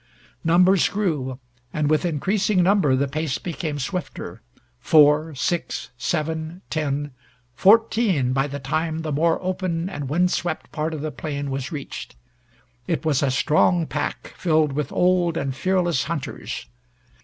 Numbers grew, and with increasing number the pace became swifter. Four six seven ten fourteen, by the time the more open and wind swept part of the plain was reached. It was a strong pack, filled with old and fearless hunters.